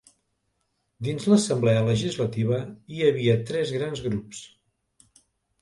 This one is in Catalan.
Dins l'Assemblea Legislativa hi havia tres grans grups.